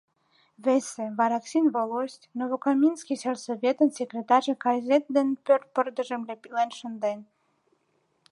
Весе: «Вараксин волость, Новокоминский сельсоветын секретарьже газет дене пӧрт пырдыжым лепитлен шынден».